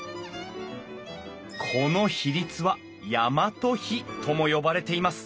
この比率は大和比とも呼ばれています。